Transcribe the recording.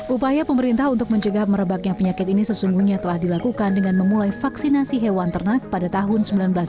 upaya pemerintah untuk mencegah merebaknya penyakit ini sesungguhnya telah dilakukan dengan memulai vaksinasi hewan ternak pada tahun seribu sembilan ratus sembilan puluh